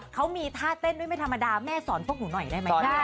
เขามีท่าเต้นด้วยไม่ธรรมดาแม่สอนพวกหนูหน่อยได้ไหม